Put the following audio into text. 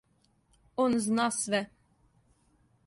Он зна све!